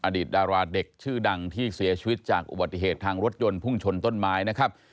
อดีตดาราเด็กชื่อดังที่เสียชีวิตจากอุบัติเหตุทางรถยนต์พุ่งชนต้นไม้นะครับ